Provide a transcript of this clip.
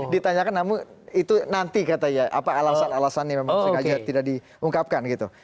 ditanyakan namun itu nanti katanya apa alasan alasannya memang sengaja tidak diungkapkan